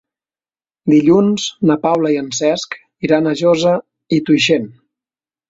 Dilluns na Paula i en Cesc iran a Josa i Tuixén.